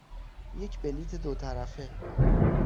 یک بلیط دو طرفه.